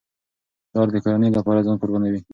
پلار د کورنۍ لپاره ځان قربانوي.